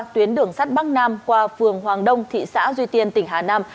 tuyến đường sắt bắc nam qua phường hoàng đông thị xã duy tiên tỉnh hà nam